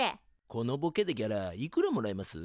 このボケでギャラいくらもらえます？